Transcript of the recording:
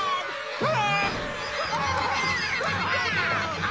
うわ！